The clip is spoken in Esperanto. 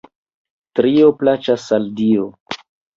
Trio plaĉas al Dio.